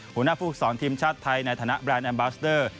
หัวหน้าผู้ฝึกสอนทีมชาติไทยในฐานะแบรนด์แอมบาสเดอร์